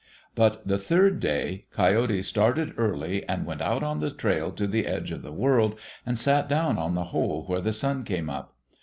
But the third day, Coyote started early and went out on the trail to the edge of the world and sat down on the hole where the sun came up.